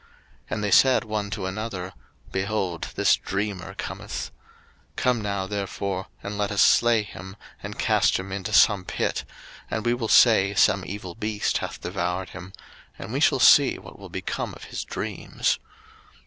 01:037:019 And they said one to another, Behold, this dreamer cometh. 01:037:020 Come now therefore, and let us slay him, and cast him into some pit, and we will say, Some evil beast hath devoured him: and we shall see what will become of his dreams.